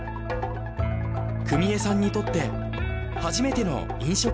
久美江さんにとって初めての飲食店経営。